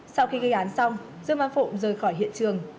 sau khi gây án xong dân văn phụng rời khỏi hiện trường